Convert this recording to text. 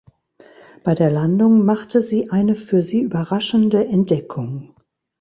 Bei der Landung machte sie eine für sie überraschende Entdeckung.